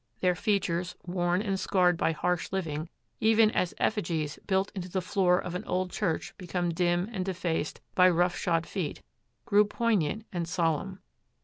Their features, worn and scarred by harsh living, even as effigies built into the floor of an old church become dim and defaced by rough shod feet, grew poignant and solemn.